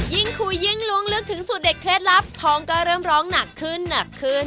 ยิ่งคุยยิ่งล้วงลึกถึงสูตรเด็ดเคล็ดลับท้องก็เริ่มร้องหนักขึ้นหนักขึ้น